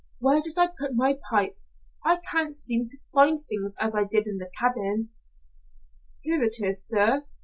Where did I put my pipe? I can't seem to find things as I did in the cabin." "Here it is, sir.